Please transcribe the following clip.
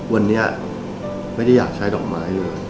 วันนี้ไม่ได้อยากใช้ดอกไม้เลย